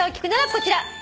こちら。